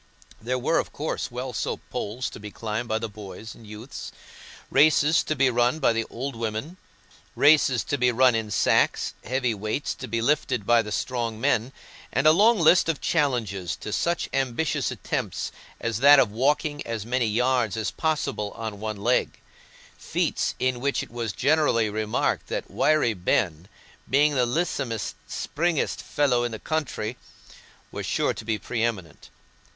There were, of course, well soaped poles to be climbed by the boys and youths, races to be run by the old women, races to be run in sacks, heavy weights to be lifted by the strong men, and a long list of challenges to such ambitious attempts as that of walking as many yards possible on one leg—feats in which it was generally remarked that Wiry Ben, being "the lissom'st, springest fellow i' the country," was sure to be pre eminent.